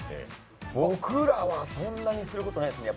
僕らはそんなにすることはないですね。